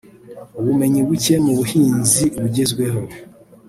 ubumenyi buke mu buhinzi bugezweho